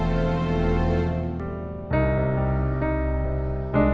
malin jangan lupa